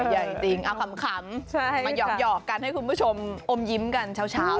ใหญ่จริงเอาขำมาหยอกกันให้คุณผู้ชมอมยิ้มกันเช้า